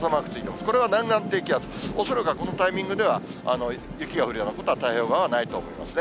これは南岸低気圧、恐らくは、このタイミングでは雪が降るようなことは、太平洋側ではないと思いますね。